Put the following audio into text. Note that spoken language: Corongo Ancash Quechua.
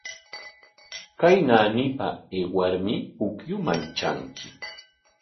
Kay naanipa aywarmi pukyuman tranki.